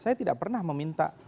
saya tidak pernah meminta